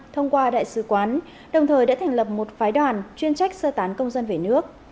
thông qua đại sứ quán đồng thời đã thành lập một phái đoàn chuyên trách sơ tán công dân về nước